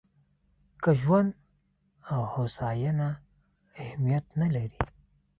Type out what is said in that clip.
که ژوند او هوساینه اهمیت نه لري.